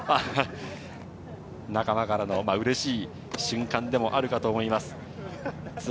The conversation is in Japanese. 仲間からのうれしい瞬間でもあるかと思います。